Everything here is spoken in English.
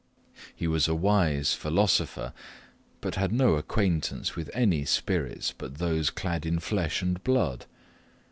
He was a wise philosopher, but had no acquaintance with any spirits but those clad in flesh and blood.